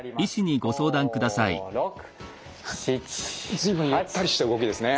随分ゆったりした動きですね。